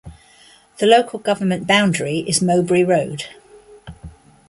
The Local Government boundary is Mowbray Road.